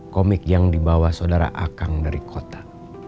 komik yang dibawa saudara akang dari kota